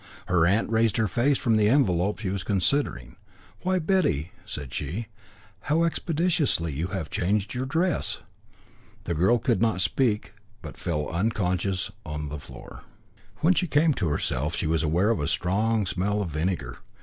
Her aunt raised her face from an envelope she was considering. "Why, Betty," said she, "how expeditiously you have changed your dress!" The girl could not speak, but fell unconscious on the floor. When she came to herself, she was aware of a strong smell of vinegar.